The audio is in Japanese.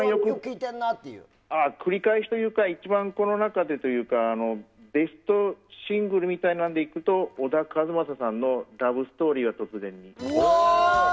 繰り返しというか一番この中でというかベストシングルみたいなので言うと小田和正さんの「ラブ・ストーリーは突然に」。